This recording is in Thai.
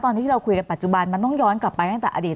ตอนนี้ที่เราคุยกันปัจจุบันมันต้องย้อนกลับไปตั้งแต่อดีต